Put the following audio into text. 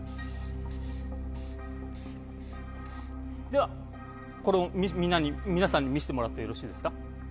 では、これを皆さんに見せてもらってよろしいですか。